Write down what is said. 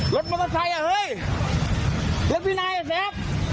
รถมอเตอร์ไทยอ่ะเฮ้ยรถพี่นายอ่ะเซฟ